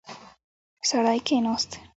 سړی کښیناست.